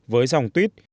với dòng tweet